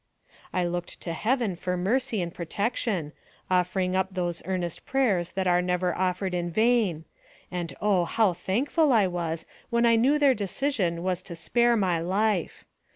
I looked to Heaven for mercy and protection, offer ing up those earnest prayers that are never offered in vain ; and oh ! how thankful I was when I knew their decision was to spare my life.